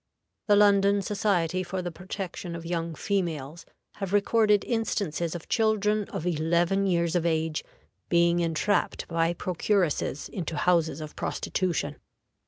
The London Society for the Protection of Young Females have recorded instances of children of eleven years of age being entrapped by procuresses into houses of prostitution.